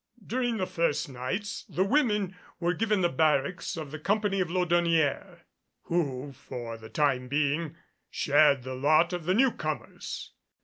During the first nights the women were given the barracks of the company of Laudonnière, who, for the time being, shared the lot of the newcomers.